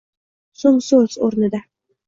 So‘ngso‘z o‘rnida.